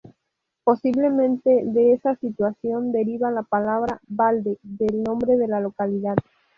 Posiblemente de esa situación deriva la palabra "Balde" del nombre de la localidad.